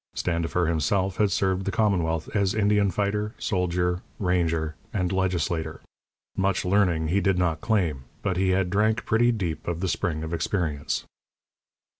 Standifer himself had served the commonwealth as Indian fighter, soldier, ranger, and legislator. Much learning he did not claim, but he had drank pretty deep of the spring of experience.